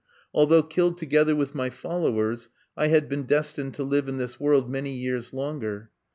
Although killed together with my followers, I had been destined to live in this world many years longer.